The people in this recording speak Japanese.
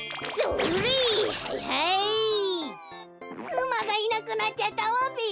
うまがいなくなっちゃったわべ。